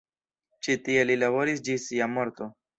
Ĉi tie li laboris ĝis sia morto.